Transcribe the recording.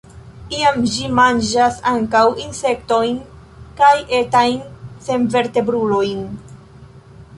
Iam ĝi manĝas ankaŭ insektojn kaj etajn senvertebrulojn.